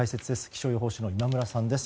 気象予報士の今村さんです。